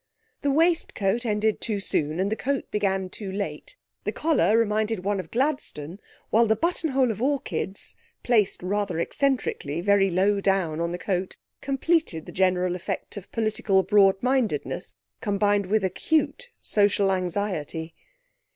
The waistcoat ended too soon, and the coat began too late; the collar reminded one of Gladstone; while the buttonhole of orchids (placed, rather eccentrically, very low down on the coat) completed the general effect of political broadmindedness, combined with acute social anxiety.